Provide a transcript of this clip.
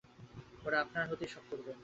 ওরা আপনা হতেই সব করবে।